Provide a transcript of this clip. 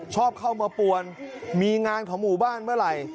ชอบเข้ามาปวนมีงานของหมู่บ้านเมื่อไหร่